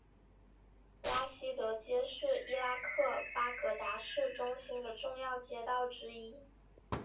拉希德街是伊拉克巴格达市中心的重要街道之一。